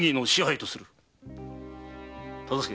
忠相。